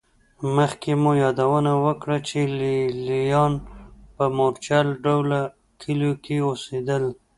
مخکې مو یادونه وکړه چې لېلیان په مورچل ډوله کلیو کې اوسېدل